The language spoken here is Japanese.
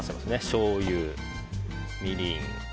しょうゆ、みりん。